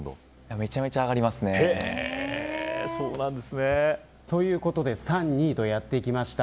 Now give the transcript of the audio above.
めちゃくちゃ上がりますね。ということで、３位、２位とやってきました。